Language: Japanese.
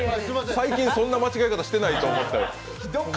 最近そんな間違え方してないと思って。